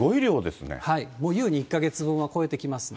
もうゆうに１か月分は超えてきます。